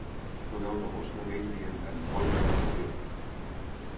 El deu d'agost na Neida i en Dan volen anar a Borriol.